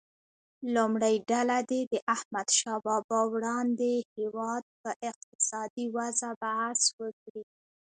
لومړۍ ډله دې د احمدشاه بابا وړاندې هیواد په اقتصادي وضعه بحث وکړي.